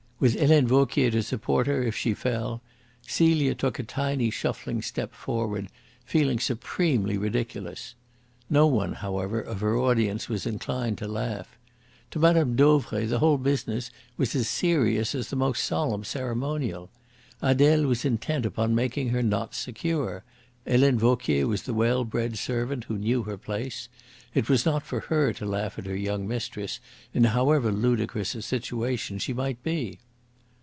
With Helene Vauquier to support her if she fell, Celia took a tiny shuffling step forward, feeling supremely ridiculous. No one, however, of her audience was inclined to laugh. To Mme. Dauvray the whole business was as serious as the most solemn ceremonial. Adele was intent upon making her knots secure. Helene Vauquier was the well bred servant who knew her place. It was not for her to laugh at her young mistress, in however ludicrous a situation she might be.